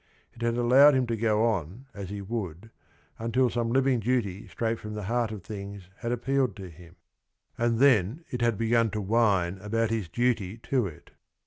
It had allowed him to go on as he would until some living duty straight from the heart of things had appealed to him; and then it had begun to whine about his duty to it.